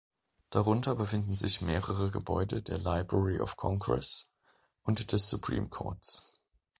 Darunter befinden sich mehrere Gebäude der Library of Congress und des Supreme Courts.